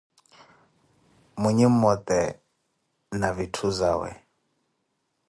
Mwinyi mmote na vitthu zawe.